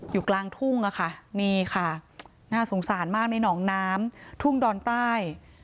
อยู่กลางทุ่งอะค่ะนี่ค่ะน่าสงสารมากในหนองน้ำทุ่งดอนใต้